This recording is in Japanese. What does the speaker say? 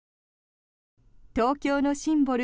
東京のシンボル